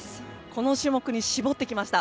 この種目に絞ってきました。